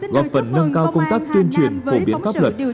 góp phần nâng cao công tác tuyên truyền phổ biến pháp luật